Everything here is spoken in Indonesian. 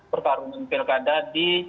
pertarungan pilkada di